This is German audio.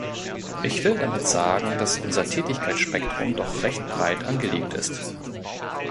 Ich will damit sagen, dass unser Tätigkeitsspektrum doch recht breit angelegt ist.